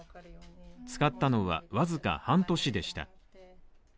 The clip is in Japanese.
使ったのは僅か半年でした。